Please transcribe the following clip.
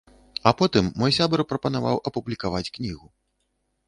А потым мой сябар прапанаваў апублікаваць кнігу.